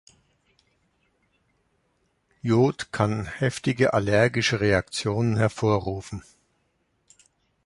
Jod kann heftige allergische Reaktionen hervorrufen.